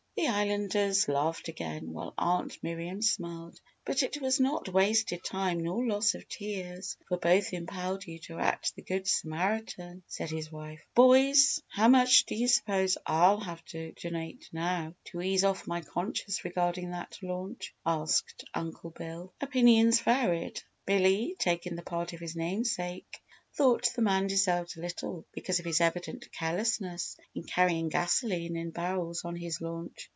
The Islanders laughed again while Aunt Miriam smiled. "But it was not wasted time nor loss of tears for both impelled you to act the Good Samaritan," said his wife. "Boys, how much do you suppose I'll have to donate now, to ease off my conscience regarding that launch?" asked Uncle Bill. Opinions varied. Billy, taking the part of his namesake thought the man deserved little because of his evident carelessness in carrying gasoline in barrels on his launch.